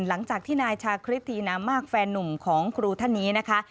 หลังจากที่นายชาคริสทีนามากแฟนนุ่มของครูท่านนี้นะคะ